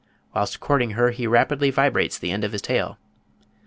Whilst courting her he rapidly vibrates the end of his tail.